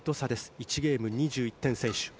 １ゲーム２１点先取。